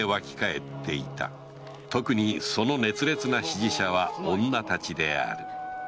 特にその熱烈な支持者は女たちである